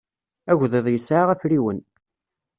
Agḍiḍ yesɛa afriwen.